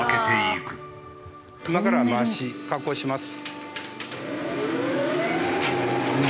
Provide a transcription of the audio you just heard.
今から回し加工します。